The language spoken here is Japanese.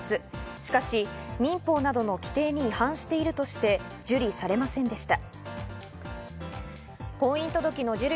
しかし、民法などの規定に違反しているとして受理されませんでした。